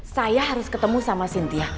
saya harus ketemu sama sintia